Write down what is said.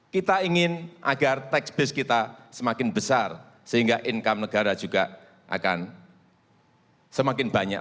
kita ingin agar tax base kita semakin besar sehingga income negara juga akan semakin banyak